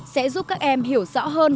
sẽ giúp các em hiểu rõ hơn